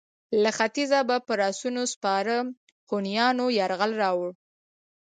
له ختیځه به پر اسونو سپاره هونیانو یرغل راووړ.